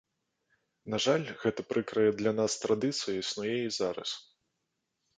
На жаль, гэта прыкрая для нас традыцыя існуе і зараз.